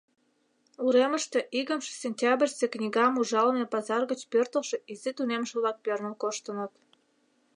Уремыште икымше сентябрьысе книгам ужалыме пазар гыч пӧртылшӧ изи тунемше-влак перныл коштыныт.